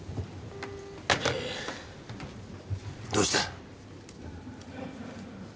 どうした？